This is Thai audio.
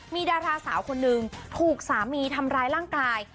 มีดาราสาวคนนึงถูกสามีทำร้ายร่างกาย